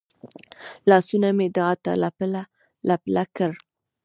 لاسونه مې دعا ته لپه کړل.